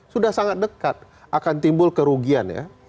sudah sangat dekat akan timbul kerugian ya